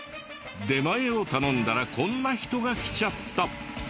出前を頼んだらこんな人が来ちゃった。